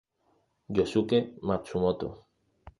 Yosuke Matsumoto